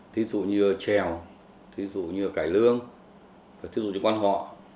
ví dụ như trèo ví dụ như cải lương ví dụ như con họ